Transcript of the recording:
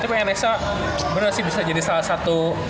tapi nsa bener sih bisa jadi salah satu